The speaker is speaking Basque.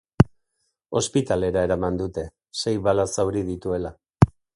Ospitalera eraman dute, sei bala-zauri dituela.